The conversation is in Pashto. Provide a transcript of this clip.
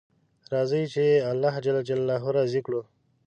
راځئ چې الله جل جلاله راضي کړو